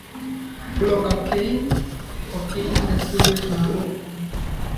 lacocainecocaine residuals maarufu kama